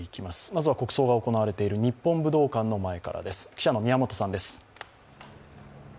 まずは国葬が行われている日本武道館の前からです記者の宮本さんです。